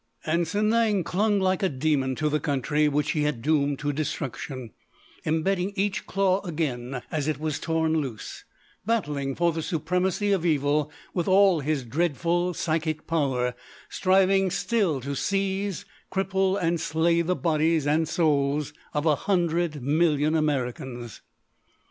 And Sanang clung like a demon to the country which he had doomed to destruction, imbedding each claw again as it was torn loose, battling for the supremacy of evil with all his dreadful psychic power, striving still to seize, cripple, and slay the bodies and souls of a hundred million Americans.